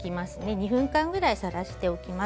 ２分間ぐらいさらしておきます。